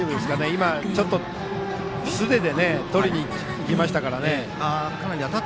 今、ちょっと素手でとりにいきましたからね。